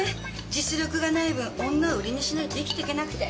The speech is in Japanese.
実力がないぶん女を売りにしないと生きていけなくて。